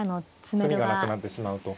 詰みがなくなってしまうと。